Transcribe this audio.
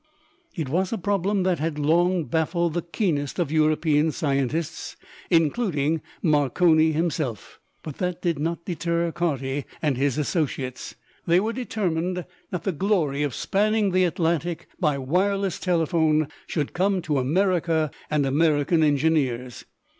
It was a problem that had long baffled the keenest of European scientists, including Marconi himself, but that did not deter Carty and his associates. They were determined that the glory of spanning the Atlantic by wireless telephone should come to America and American engineers.